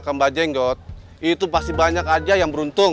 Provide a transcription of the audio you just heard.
kemba jenggot itu pasti banyak aja yang beruntung